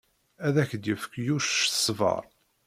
Ad ak-d-yefk Yuc ṣṣber.